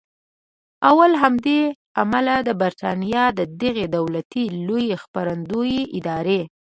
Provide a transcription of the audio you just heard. او له همدې امله د بریټانیا د دغې دولتي لویې خپرندویې ادارې